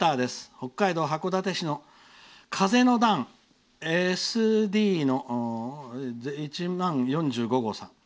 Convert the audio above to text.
北海道函館市の風の団ＳＤの１万４５号さん。